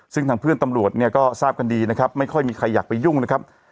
ซึ่งทางเพื่อนตำรวจเนี่ยก็ทราบกันดีนะครับไม่ค่อยมีใครอยากไปยุ่งนะครับ